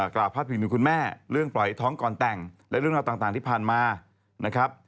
กล่าวพาดพิงถึงคุณแม่เรื่องปล่อยท้องก่อนแต่งและเรื่องราวต่างที่ผ่านมานะครับ